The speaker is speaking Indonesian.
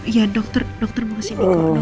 ya dokter mau kesini kok